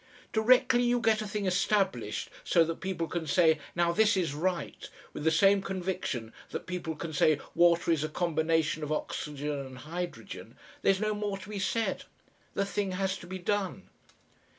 "Directly you get a thing established, so that people can say, 'Now this is Right,' with the same conviction that people can say water is a combination of oxygen and hydrogen, there's no more to be said. The thing has to be done...."